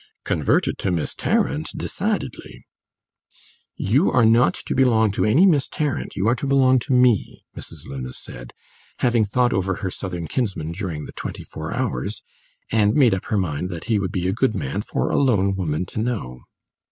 "Converted to Miss Tarrant, decidedly." "You are not to belong to any Miss Tarrant; you are to belong to me," Mrs. Luna said, having thought over her Southern kinsman during the twenty four hours, and made up her mind that he would be a good man for a lone woman to know.